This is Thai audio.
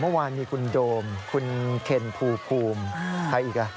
เมื่อวานมีคุณโดมคุณเคนภูมิใครอีกอ่ะ